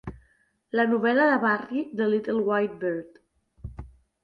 La novel·la de Barrie "The Little White Bird".